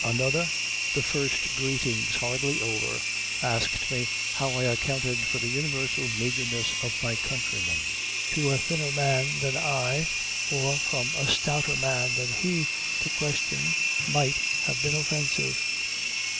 Another, the first greetings hardly over, asked me how I accounted for the universal meagerness of my countrymen. To a thinner man than I, or from a stouter man than he, the question might have been offensive.